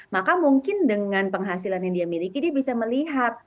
maka mungkin dengan penghasilan yang dia miliki dia bisa melihat